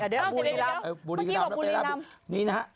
แต่เดี๋ยวครอบครัวละเอ๋ย